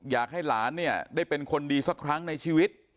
อยากให้หลานเนี่ยได้เป็นคนดีสักครั้งในชีวิต